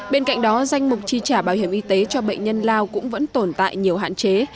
bên cạnh đó danh mục chi trả bảo hiểm y tế cho bệnh nhân lao cũng vẫn tồn tại nhiều hạn chế